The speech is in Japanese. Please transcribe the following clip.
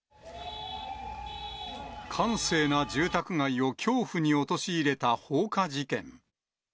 閑静な住宅街を恐怖に陥れた放火事件。